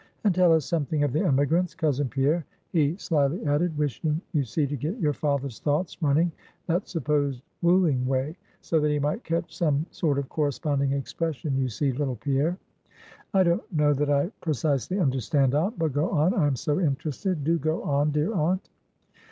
And tell us something of the emigrants, cousin Pierre,' he slyly added wishing, you see, to get your father's thoughts running that supposed wooing way, so that he might catch some sort of corresponding expression you see, little Pierre." "I don't know that I precisely understand, aunt; but go on, I am so interested; do go on, dear aunt."